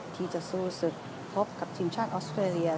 ที่จะสู้สุดพบกับทีมชาติออสเตอรียา